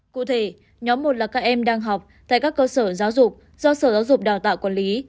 cụ thể nhóm một là các em đang học tại các cơ sở giáo dục do sở giáo dục đào tạo quản lý